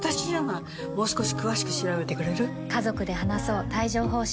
もう少し詳しく調べてくれる？